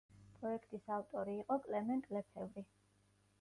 პროექტის ავტორი იყო კლემენტ ლეფევრი.